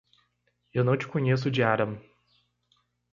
Eu não te conheço de Adam.